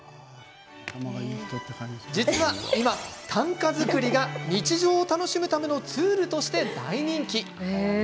実は今、短歌作りが日常を楽しむためのツールとして大人気。